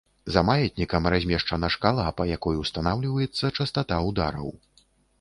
За маятнікам размешчана шкала, па якой устанаўліваецца частата удараў.